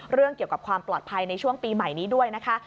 เรื่องเกี่ยวกับความปลอดภัยในช่วงปีใหม่นี้ด้วยนะคะ